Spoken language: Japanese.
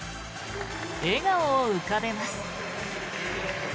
笑顔を浮かべます。